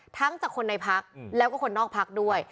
ทั้งจากคนในพักแล้วก็คนนอกพักด้วย